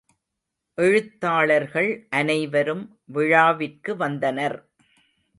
எழுத்தாளர்கள் அனைவரும் விழாவிற்கு வந்தனர்.